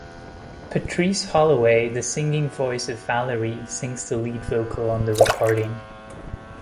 Patrice Holloway, the singing voice of Valerie, sings the lead vocal on the recording.